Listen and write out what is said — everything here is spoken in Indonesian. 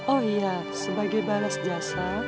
oh iya sebagai balas jasa